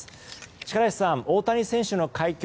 力石さん、大谷選手の快挙